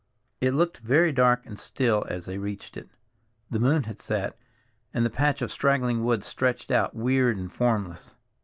It looked very dark and still as they reached it. The moon had set, and the patch of straggling woods stretched out weird and formless.